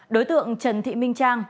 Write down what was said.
đối tượng trần thị minh trang